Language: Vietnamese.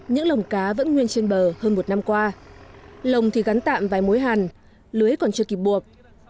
những lồng cá vẫn nguyên trên bờ hơn một năm qua lồng thì gắn tạm vài mối hàn lưới còn chưa kịp buộc